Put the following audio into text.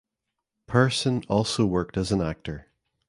Persson also worked as an actor.